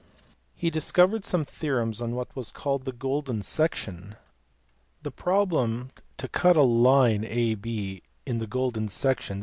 He discovered some theorems on what was called " the golden section." The problem to cut a line AB in the golden section, A H